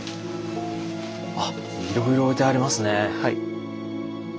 あっいろいろ置いてありますね。